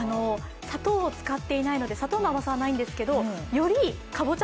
砂糖を使っていないので、砂糖の甘さはないんですがよりかぼちゃ